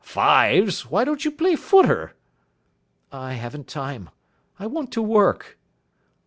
"Fives? Why don't you play footer?" "I haven't time. I want to work."